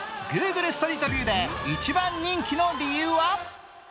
ストリートビューで一番人気の理由は？